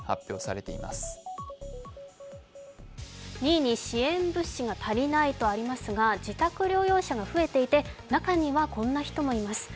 ２位に支援物資が足りないとありますが自宅療養者が増えていて中にはこんな人もいます。